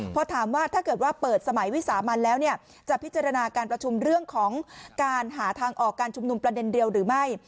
พอถามว่าถ้าเกิดว่าเปิดสมัยวิสามันแล้วจะพิจารณาการประชุมเรื่องของการหาทางออกการชุมนุมประเด็นเดียวหรือไม่